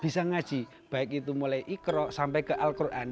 mereka sudah bisa ngaji baik itu mulai ikhro sampai ke al quran